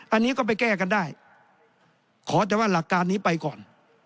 อันนี้ก็ไปแก้กันได้ขอแต่ว่าหลักการนี้ไปก่อน